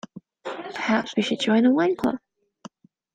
Perhaps we should join a wine club.